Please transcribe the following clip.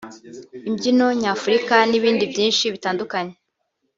imbyino nyafurika n’ibindi byinshi bitandukanye